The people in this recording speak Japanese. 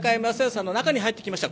さんの中に入ってきました。